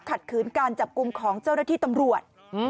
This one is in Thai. ขัดขืนการจับกลุ่มของเจ้าหน้าที่ตำรวจ